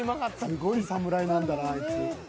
すごいサムライなんだなあいつ。